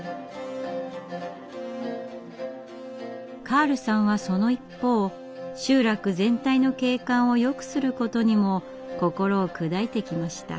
カールさんはその一方集落全体の景観をよくすることにも心を砕いてきました。